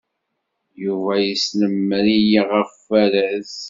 Yuba yesnemmer-iyi ɣef waraz.